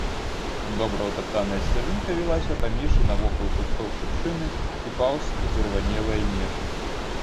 Добра ўтаптаная сцяжынка вілася паміж і навокал кустоў шыпшыны і паўз удзірванелыя межы.